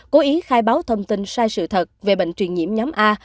cố ý khai báo thông tin sai sự thật về bệnh truyền nhiễm nhóm a